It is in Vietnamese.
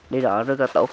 đi đó rất là tốt